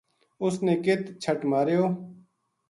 اُس نے کت چھٹ ماریو